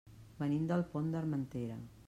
Venim del Pont d'Armentera.